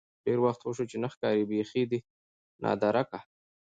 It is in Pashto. ډېر وخت وشو چې نه ښکارې بيخې ده نادركه.